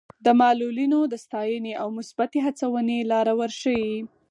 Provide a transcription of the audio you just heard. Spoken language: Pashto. د معلولینو د ستاینې او مثبتې هڅونې لاره ورښيي.